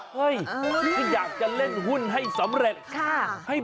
ที่อยากจะเล่นหุ้นให้สำเร็จ